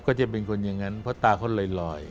ก็จะเป็นคนอย่างพอตาเค้าลอย